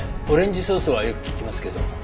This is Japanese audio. オレンジソースはよく聞きますけど。